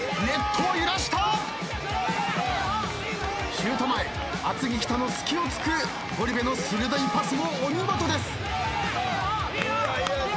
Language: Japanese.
シュート前厚木北の隙を突くゴリ部の鋭いパスもお見事です。